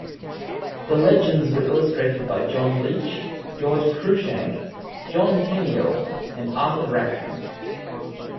The legends were illustrated by John Leech, George Cruikshank, John Tenniel, and Arthur Rackham.